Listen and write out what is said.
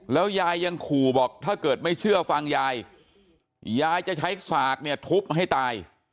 แล้วยายยังขู่บอกถ้าเกิดไม่เชื่อฟังยายยายจะใช้สากเนี่ยทุบให้ตาย